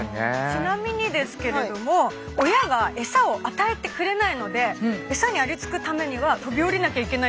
ちなみにですけれども親がエサを与えてくれないのでエサにありつくためには飛び降りなきゃいけないっていう。